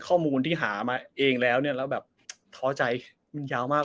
ข้อมูลที่หามาเองแล้วเนี่ยแล้วแบบท้อใจมันยาวมาก